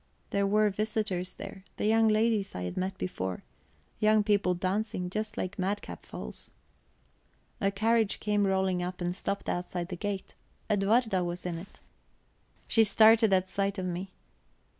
There were visitors there the young ladies I had met before young people dancing, just like madcap foals. A carriage came rolling up and stopped outside the gate; Edwarda was in it. She started at sight of me.